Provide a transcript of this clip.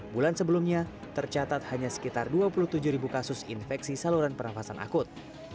bulan sebelumnya tercatat hanya sekitar dua puluh tujuh ribu kasus infeksi saluran pernafasan akut